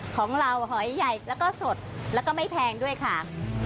ของเราหอยใหญ่แล้วก็สดแล้วก็ไม่แพงด้วยค่ะ